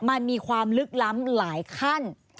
มันมีความลึกล้ำหลายขั้น